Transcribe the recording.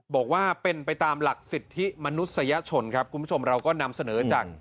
บอกว่าเป็นไปตามหลักสิทธิมนุษยชนครับคุณผู้ชมเราก็นำเสนอจาก